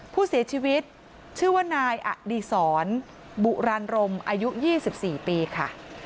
ผู้เสียชีวิตชื่อว่านายอดีศรบุรณรมอายุ๒๔ปีค่ะ